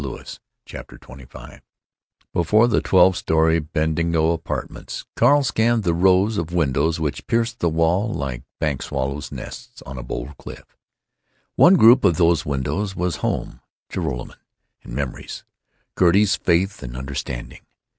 CHAPTER XXV efore the twelve story Bendingo Apartments, Carl scanned the rows of windows which pierced the wall like bank swallows' nests in a bold cliff.... One group of those windows was home—Joralemon and memories, Gertie's faith and understanding....